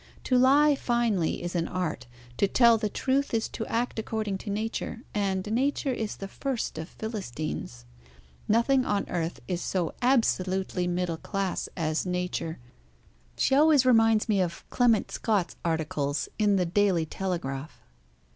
To lie finely is an Art, to tell the truth is to act according to Nature, and Nature is the first of Philistines. Nothing on earth is so absolutely middle class as Nature. She always reminds me of Clement Scott's articles in the Daily Telegraph.